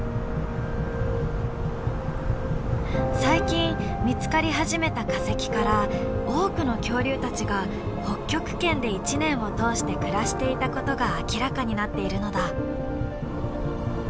最近見つかり始めた化石から多くの恐竜たちが北極圏で一年を通して暮らしていたことが明らかになっているのだ。